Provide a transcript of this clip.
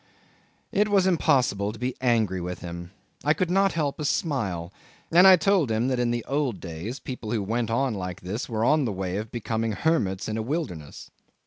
It was impossible to be angry with him: I could not help a smile, and told him that in the old days people who went on like this were on the way of becoming hermits in a wilderness.